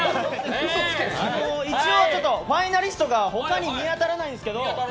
一応、ファイナリストが他に見当たらないんですけど